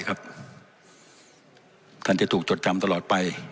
ท่านจะถูกจดจำตลอดไป